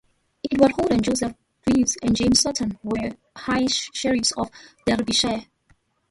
Edward Holden, Joseph Greaves and James Sutton were High Sheriffs of Derbyshire.